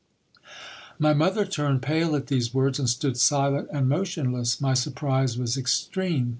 My mother turned pale at these words, and stood silent and motionless. My surprise was extreme.